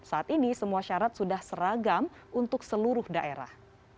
saat ini semua syarat sudah seragam untuk seluruh daerah